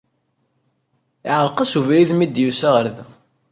Iɛreq-as ubrid mi d-yusa ɣer da.